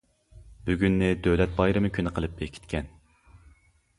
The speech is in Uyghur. بۈگۈننى دۆلەت بايرىمى كۈنى قىلىپ بېكىتكەن.